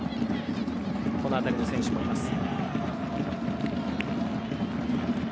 この辺りの選手もいます。